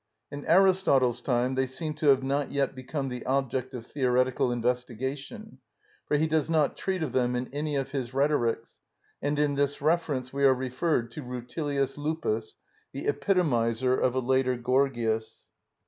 In Aristotle's time they seem to have not yet become the object of theoretical investigation, for he does not treat of them in any of his rhetorics, and in this reference we are referred to Rutilius Lupus, the epitomiser of a later Gorgias.